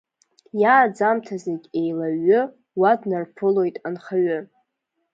Иааӡамҭа зегь еилаҩҩы, уа днарԥылоит анхаҩы.